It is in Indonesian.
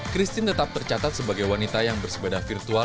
christine tetap tercatat sebagai wanita yang bersepeda virtual